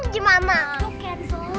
nanti kalau misalnya sangkulam gimana